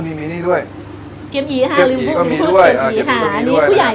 มีมีนี่ด้วยเกียบหยีฮะเกียบหยีก็มีด้วยอ่าเกียบหยีตรงนี้ด้วยค่ะนี่ผู้ใหญ่